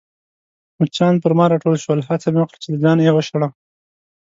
مچان پر ما راټول شول، هڅه مې وکړل چي له ځانه يې وشړم.